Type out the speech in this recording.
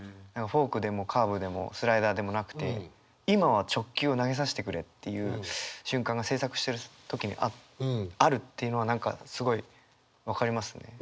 フォークでもカーブでもスライダーでもなくて今は直球を投げさしてくれっていう瞬間が制作してる時にあるっていうのは何かすごい分かりますね。